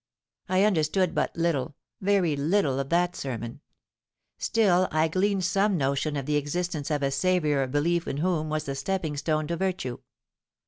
I understood but little—very little of that sermon: still I gleaned some notion of the existence of a Saviour a belief in whom was the stepping stone to virtue.